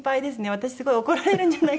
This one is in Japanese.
私すごい怒られるんじゃないかな。